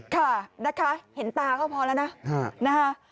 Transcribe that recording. ค่ะนะคะเห็นตาก็พอแล้วนะนะคะ